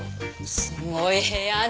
すごい部屋ね